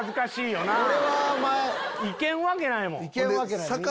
いけんわけないもん。